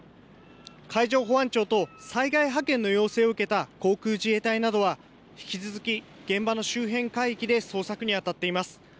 海上保安庁と、災害派遣の要請を受けた航空自衛隊などは、引き続き現場の周辺海域で捜索に当たっています。